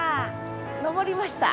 上りました。